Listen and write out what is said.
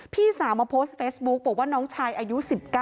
พี่สาวมาโพสต์เฟซบุ๊กบอกว่าน้องชายอายุ๑๙